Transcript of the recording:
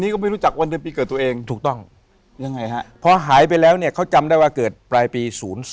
๐๓ก็เลื่อนไปอีกปี